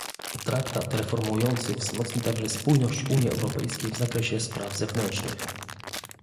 Traktat reformujący wzmocni także spójność Unii Europejskiej w zakresie spraw zewnętrznych